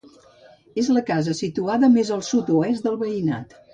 És la casa situada més al sud-oest del veïnat.